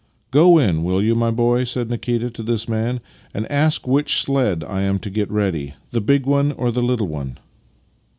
" Go in, will 3' ou, my boy," said Nikita to this man, " and ask which sledge 1 am to get ready — the big one or the httle one?